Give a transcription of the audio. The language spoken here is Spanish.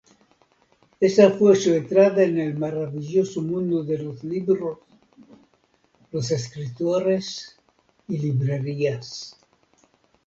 Esa fue su entrada al maravilloso mundo de los libros, los escritores y librerías.